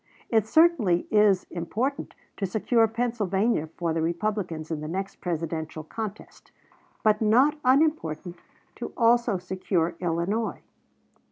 It certainly is important to secure Pennsylvania for the Republicans in the next Presidential contest; and not unimportant to also secure Illinois.